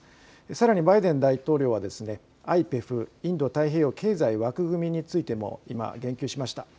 さらにバイデン大統領はＩＰＥＦ・インド太平洋経済枠組みについても今言及しました。